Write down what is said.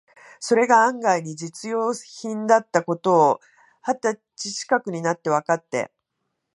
それが案外に実用品だった事を、二十歳ちかくになってわかって、